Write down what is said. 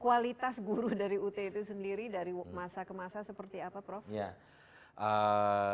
kualitas guru dari ut itu sendiri dari masa ke masa seperti apa prof